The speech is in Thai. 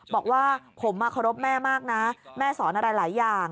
บอกว่าผมมาเคารพแม่มากนะแม่สอนอะไรหลายอย่าง